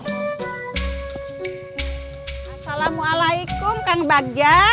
assalamualaikum kang bagja